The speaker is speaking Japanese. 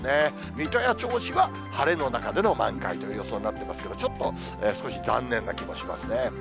水戸や銚子は、晴れの中での満開という予想になってますけど、ちょっと少し残念な気もしますね。